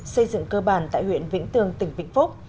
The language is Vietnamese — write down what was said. xây dựng cơ bản tại huyện vĩnh tường tỉnh vĩnh phúc